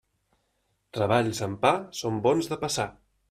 Treballs amb pa són bons de passar.